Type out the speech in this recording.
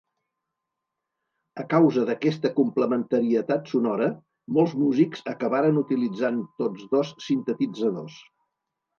A causa d'aquesta complementarietat sonora, molts músics acabaren utilitzant tots dos sintetitzadors.